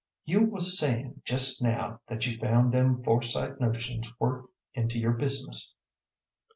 "You was sayin' just now that you found them foresight notions work into your business."